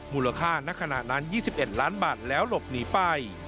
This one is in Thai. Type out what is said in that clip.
มูลค่าณขณะนั้น๒๑ล้านบาทแล้วหลบหนีไป